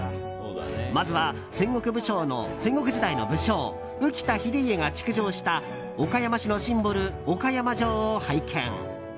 まずは戦国時代の武将宇喜多秀家が築城した岡山市のシンボル、岡山城を拝見。